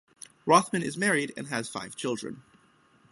Rothman is married and has five children.